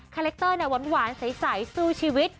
คาเล็กเตอร์เนี่ยหวานใสสู้ชีวิต